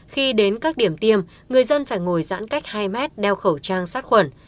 khi đến các điểm tiêm người dân phải ngồi giãn cách hai mét đeo khẩu trang sát khuẩn